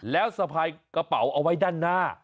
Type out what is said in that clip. แล้วสะพายกระเป๋าเอาไว้ด้านหน้า